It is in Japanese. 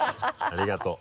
ありがとう。